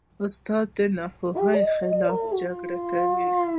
استاد د ناپوهۍ خلاف جګړه کوي.